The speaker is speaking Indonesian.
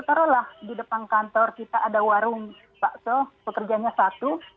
taruhlah di depan kantor kita ada warung bakso pekerjanya satu